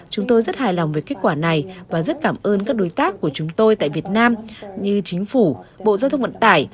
chúng tôi rất hài lòng với kết quả này và rất cảm ơn các đối tác của chúng tôi tại việt nam như chính phủ bộ giao thông vận tải